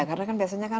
karena kan biasanya kan